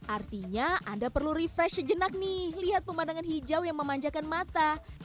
artinya anda perlu refresh sejenak nih lihat pemandangan hijau yang memanjakan mata